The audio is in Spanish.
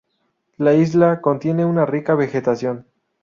La isla contiene una rica vegetación.